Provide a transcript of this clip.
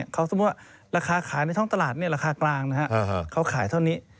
เขาสมมุติว่าราคาขายในท่องตลาดราคากลางนะฮะเขาขายเท่านี้